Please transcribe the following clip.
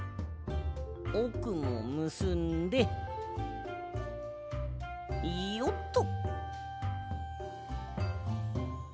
おくもむすんでよっと。